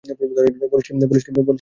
বলিস কী বিহারী।